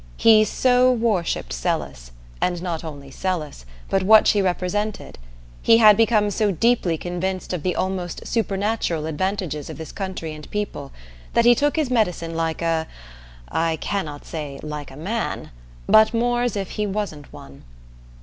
He so worshipped Celis, and not only Celis, but what she represented; he had become so deeply convinced of the almost supernatural advantages of this country and people, that he took his medicine like a I cannot say "like a man," but more as if he wasn't one.